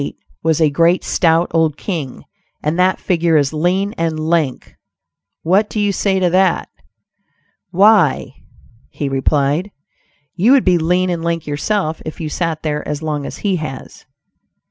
was a great stout old king, and that figure is lean and lank; what do you say to that?" "Why," he replied, "you would be lean and lank yourself if you sat there as long as he has."